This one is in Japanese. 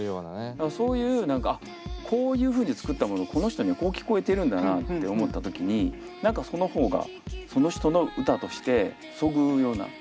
そういうこういうふうに作ったものをこの人にはこう聞こえてるんだなって思った時に何かその方がその人の歌としてそぐうような。